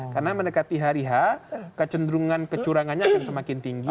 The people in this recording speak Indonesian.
karena mendekati hari h kecenderungan kecurangannya akan semakin tinggi